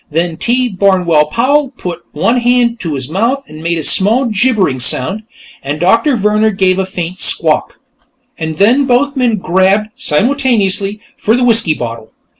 Then T. Barnwell Powell put one hand to his mouth and made a small gibbering sound, and Doctor Vehrner gave a faint squawk, and then both men grabbed, simultaneously, for the whiskey bottle.